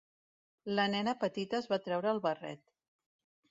La nena petita es va treure el barret.